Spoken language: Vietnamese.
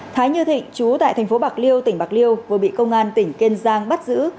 thái như thịnh chú tại thành phố bạc liêu tỉnh bạc liêu vừa bị công an tỉnh kiên giang bắt giữ